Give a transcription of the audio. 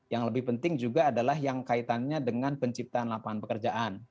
yang lebih penting juga adalah yang kaitannya dengan penciptaan lapangan pekerjaan